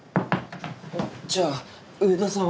じゃあ上田さんは？